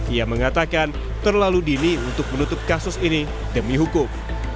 ia mengatakan terlalu dini untuk menutup kasus ini demi hukum